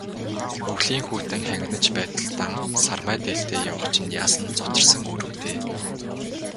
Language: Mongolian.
Өвлийн хүйтэн хангинаж байтал, дан сармай дээлтэй явах чинь яасан зутарсан үр вэ дээ.